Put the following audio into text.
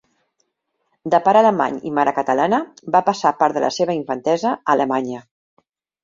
De pare alemany i mare catalana, va passar part de la seva infantesa a Alemanya.